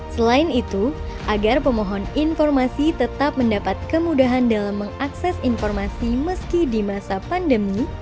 selain itu agar pemohon informasi tetap mendapat kemudahan dalam mengakses informasi meski di masa pandemi